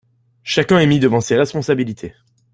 Chacun est mis devant ses responsabilités